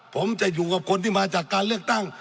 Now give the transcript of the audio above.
ผมจะอยู่กับคนที่มาจากการเลือกตั้ง